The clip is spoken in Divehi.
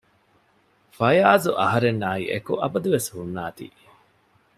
ފަޔާޒު އަހަރެންނާއި އެކު އަބަދުވެސް ހުންނާތީ